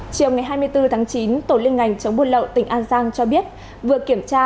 chiều ngày hai mươi bốn tháng chín tổ liên ngành chống buôn lậu tỉnh an giang cho biết vừa kiểm tra